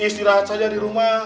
istirahat saja di rumah